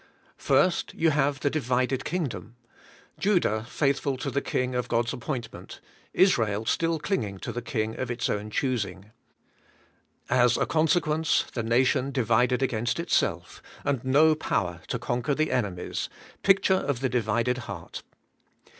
First you have the divided Tcingdom: Judah faithful to the king of God's appointment; Israel still cling ing to the king of its own choosing. As a conse quence, the nation divided against itself, and no power to conquer the enemies. Picture of the divided heart.